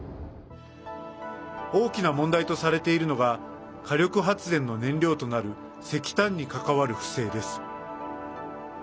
大きな問題とされているのが火力発電の燃料となる石炭に関わる不正です。